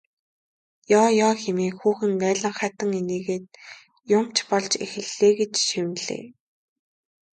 Ёо ёо хэмээн хүүхэн наалинхайтан инээгээд юм ч болж эхэллээ гэж шивнэлээ.